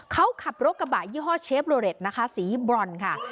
เขาขับรถกระบะยี่ห้อเชฟโลเรตนะคะสีบรอนค่ะ